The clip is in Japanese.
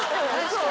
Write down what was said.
そう。